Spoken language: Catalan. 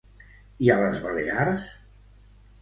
I a les Balears?